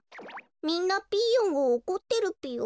みんなピーヨンをおこってるぴよ。